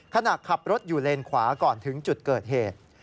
ขณะขับรถอยู่เลนขวาก่อนถึงจุดเกิดเหตุ